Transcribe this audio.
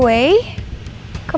warna merah apaan